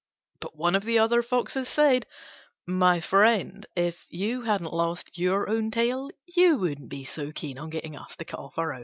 But one of the other Foxes said, "My friend, if you hadn't lost your own tail, you wouldn't be so keen on getting us to cut off ours."